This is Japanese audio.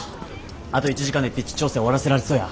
あと１時間でピッチ調整終わらせられそうや？